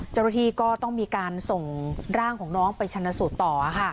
จรฐีก็ต้องมีการส่งร่างของน้องไปชนสูตรต่อค่ะ